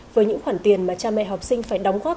với những khoản tiền mà cha mẹ học sinh phải đóng góp